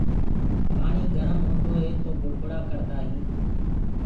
پآڻي گرم هوندو هي تو بُڙبُڙآ ڪڙدآ هينٚ۔